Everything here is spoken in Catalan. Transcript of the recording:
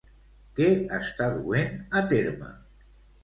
Què està duent a terme?